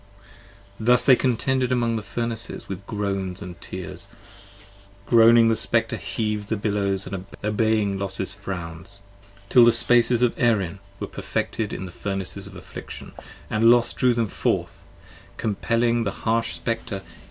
Thus they contended among the Furnaces with groans &c tears; Groaning the Spectre heav'd the billows, obeying Los's frowns; Till the Spaces of Erin were perfected in the furnaces 35 Of affliction, and Los drew them forth, compelling the harsh Spectre p.